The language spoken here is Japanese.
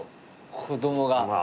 子供が。